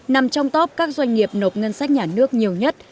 nằm trong top các doanh nghiệp nộp ngân sách nhà nước nhiều nhất